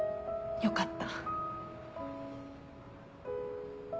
よかった。